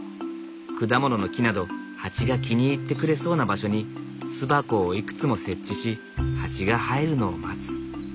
果物の木などハチが気に入ってくれそうな場所に巣箱をいくつも設置しハチが入るのを待つ。